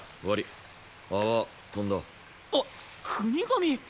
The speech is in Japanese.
あっ國神！？